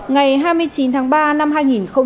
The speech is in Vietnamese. ngày hai mươi chín tháng ba năm hai nghìn hai mươi